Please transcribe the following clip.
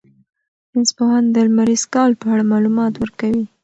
ساینس پوهان د لمریز کال په اړه معلومات ورکوي.